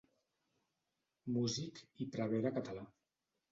Músic i prevere català.